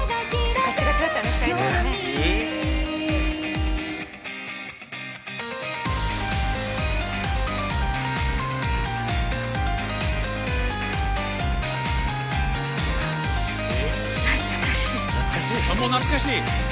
あっもう懐かしい？